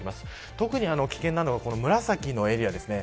特に危険なのが紫のエリアですね。